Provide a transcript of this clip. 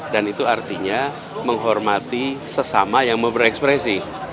dan itu artinya menghormati sesama yang mau berekspresi